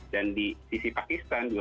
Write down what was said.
dan di sisi pakistan juga